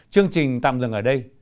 chương trình tạm dừng ở đây